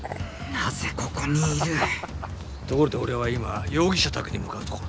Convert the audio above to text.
なぜここにいるところで俺は今容疑者宅に向かうところだ。